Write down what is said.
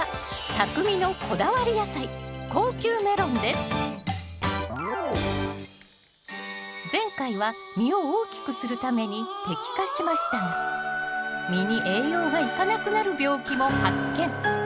ここからは前回は実を大きくするために摘果しましたが実に栄養がいかなくなる病気も発見！